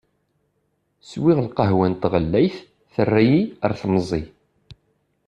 Swiɣ-d lqahwa n tɣellayt terra-yi ar temẓi.